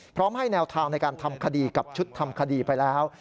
พร้อมให้แนวทางในการทำคดีกับชุดทำคดีไปแล้ว